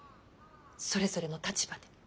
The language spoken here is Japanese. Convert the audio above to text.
それぞれの立場で。